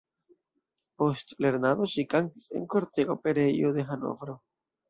Post lernado ŝi kantis en kortega operejo de Hanovro.